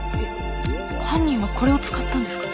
犯人はこれを使ったんですか？